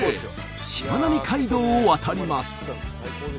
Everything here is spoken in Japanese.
しまなみ海道を渡ります。